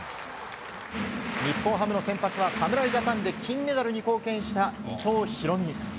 日本ハムの先発は侍ジャパンで金メダルに貢献した伊藤大海。